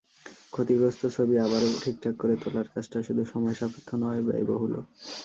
ক্ষতিগ্রস্ত ছবি আবারও ঠিকঠাক করে তোলার কাজটা শুধু সময়সাপেক্ষ নয়, ব্যয়বহুলও।